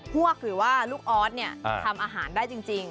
พวกหรือว่าลูกออสเนี่ยทำอาหารได้จริง